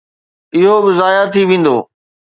اهو به ضايع ٿي ويندو.